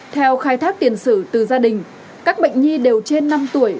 theo khai thác tiền sử từ gia đình các bệnh nhi đều trên năm tuổi